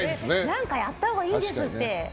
何かやったほうがいいですって。